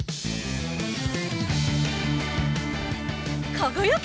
かがやけ！